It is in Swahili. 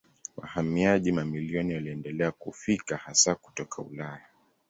Wahamiaji mamilioni waliendelea kufika hasa kutoka Ulaya.